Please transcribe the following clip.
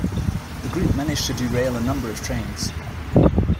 The group managed to derail a number of trains.